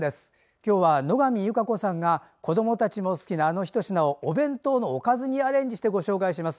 今日は野上優佳子さんが子どもたちも好きなあのひと品を、お弁当のおかずにアレンジしてご紹介します。